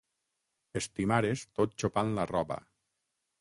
Estimares tot xopant la roba.